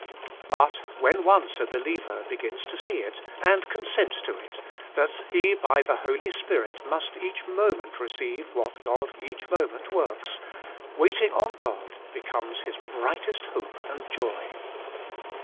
But when once a believer begins to see it, and consent to it, that he by the Holy Spirit must each moment receive what God each moment works, waiting on God be comes his brightest hope and joy.